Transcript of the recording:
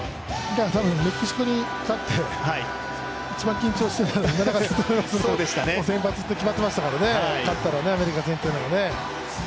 メキシコに勝って一番緊張してたのは今永だと思うので先発って決まっていましたから、勝ったらアメリカ戦というのが。